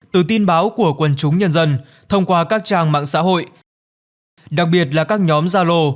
từ tin báo của quân chúng nhân dân thông qua các trang mạng xã hội đặc biệt là các nhóm gia lô